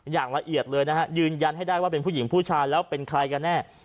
อย่างละเอียดเลยนะฮะยืนยันให้ได้ว่าเป็นผู้หญิงผู้ชายแล้วเป็นใครกันแน่